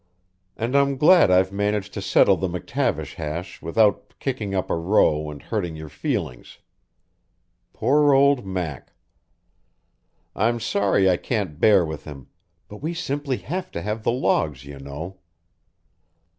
And I'm glad I've managed to settle the McTavish hash without kicking up a row and hurting your feelings. Poor old Mac! I'm sorry I can't bear with him, but we simply have to have the logs, you know."